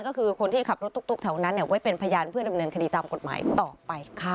ก็คือคนที่ขับรถตุ๊กแถวนั้นไว้เป็นพยานเพื่อดำเนินคดีตามกฎหมายต่อไปค่ะ